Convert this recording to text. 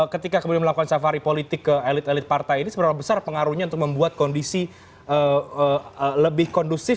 ketika kemudian melakukan safari politik ke elit elit partai ini seberapa besar pengaruhnya untuk membuat kondisi lebih kondusif